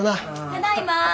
ただいま。